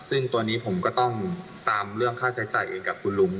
ซึ่งตัวนี้ผมก็ต้องตามเรื่องค่าใช้จ่ายเองกับคุณลุง